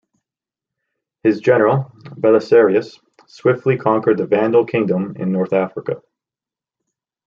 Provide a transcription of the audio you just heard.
His general, Belisarius, swiftly conquered the Vandal kingdom in North Africa.